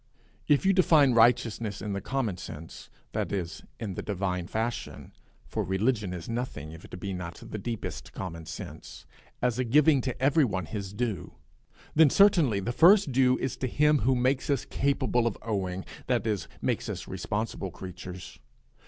If you define righteousness in the common sense, that is, in the divine fashion for religion is nothing if it be not the deepest common sense as a giving to everyone his due, then certainly the first due is to him who makes us capable of owing, that is, makes us responsible creatures.